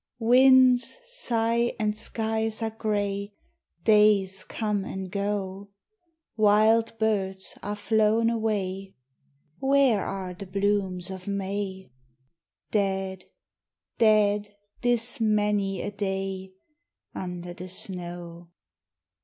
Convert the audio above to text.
Winds sigh and skies are gray, Days come and go: Wild birds are flown away: Where are the blooms of May? Dead, dead, this many a day, Under the snow.